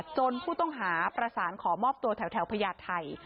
ผู้ต้องหาประสานขอมอบตัวแถวพญาไทย